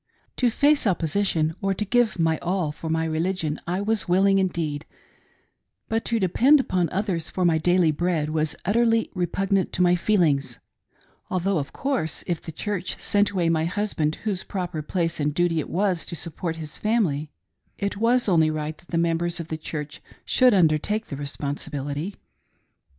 To face opposition or to give my all for my religion, I was willing indeed ; but to depend upon others for my daily bread was utterly repugnant to my feelings, although, of course, if the Church sent away my husband, whose proper place and duty it was to support his family, it was only right that the mem bers of that Church should undertake the responsibility.